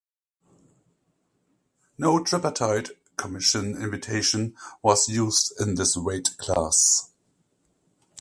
No Tripartite Commission invitation was used in this weight class.